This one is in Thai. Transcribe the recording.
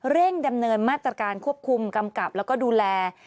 ดำเนินมาตรการควบคุมกำกับแล้วก็ดูแล